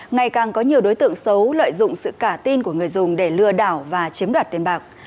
ngày càng có nhiều đối tượng xấu lợi dụng sự cả tin của người dùng để lừa đảo và chiếm đoạt tiền bạc